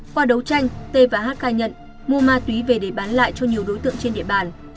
vtth và hk nhận mua ma túy về để bán lại cho nhiều đối tượng trên địa bàn